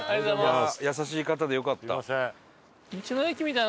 優しい方でよかった。